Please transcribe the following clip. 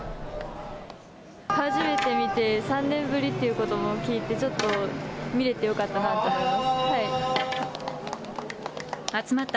初めて見て、３年ぶりっていうことも聞いて、ちょっと見れてよかったなと思います。